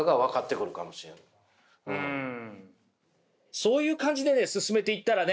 そういう感じで進めていったらね